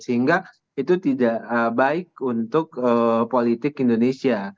sehingga itu tidak baik untuk politik indonesia